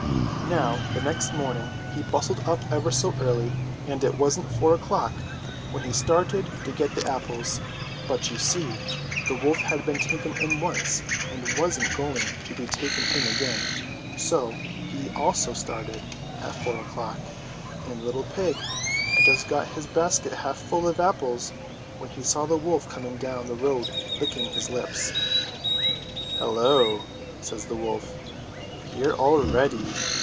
Now the next morning he bustled up ever so early, and it wasn't four o'clock when he started to get the apples ; but, you see, the wolf had been taken in once and wasn't going to be taken in again, so he also started at four o'clock, and the little pig had just got his basket half full of apples when he saw the wolf coming down the road licking his lips. "Hullo!" says the wolf, "here already!